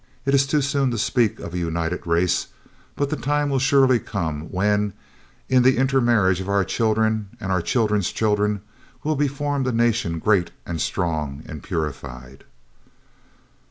It is too soon to speak of a united race, but the time will surely come when, in the inter marriage of our children and our children's children, will be formed a nation great and strong and purified."